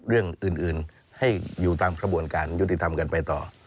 เรื่องอื่นให้อยู่ตามกระบวนการยุติธรรมกันไปต่อ